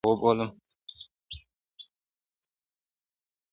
زړه قاصِد ور و لېږمه ستا یادونه را و بولم.